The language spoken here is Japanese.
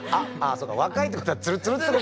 そっか若いってことはツルツルってこと。